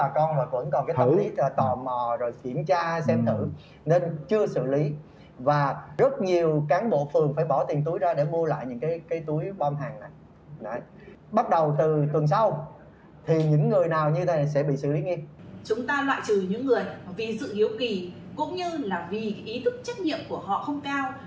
chúng ta loại trừ những người vì sự hiếu kì cũng như vì ý thức trách nhiệm của họ không cao